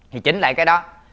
thì chính là cái đó